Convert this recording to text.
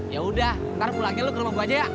yaudah ntar pulangnya lo ke rumah buah aja ya